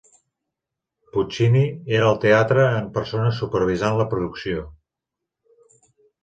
Puccini era al teatre en persona supervisant la producció.